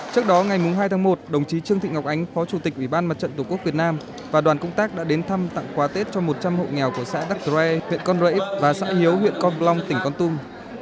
trước đó ngày hai tháng một đồng chí trương thị ngọc ánh phó chủ tịch ủy ban mặt trận tổ quốc việt nam và đoàn công tác đã đến thăm tặng quà tết cho một trăm linh hộ nghèo của xã đắk tre huyện con rẫy và xã hiếu huyện con plong tỉnh con tum